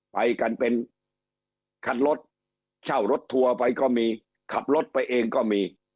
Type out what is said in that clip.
ไปกันเป็นคันรถเช่ารถทัวร์ไปก็มีขับรถไปเองก็มี